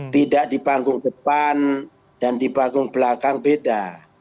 tidak di panggung depan dan di panggung belakang beda